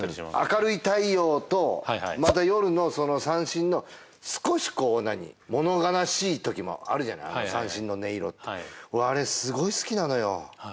明るい太陽と夜の三線の少しもの悲しい時もあるじゃない三線の音色って俺あれすごい好きなのよ